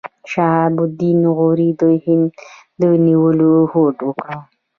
شهاب الدین غوري د هند د نیولو هوډ وکړ.